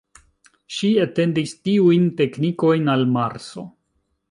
Ŝi etendis tiujn teknikojn al Marso.